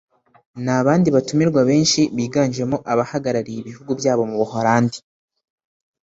n’abandi batumirwa benshi biganjemo abahagarariye ibihugu byabo mu Buholandi